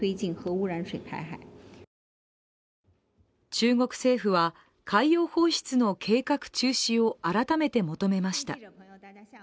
中国政府は海洋放出の計画中止を改めて求めました。